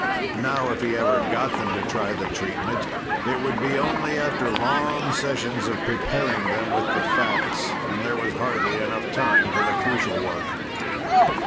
Now if he ever got them to try the treatment, it would be only after long sessions of preparing them with the facts, and there was hardly enough time for the crucial work!